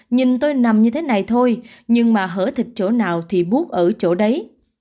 nhìn tôi nằm như thế này thôi nhưng mà hở thịt chỗ nào thì bút ở chỗ đấy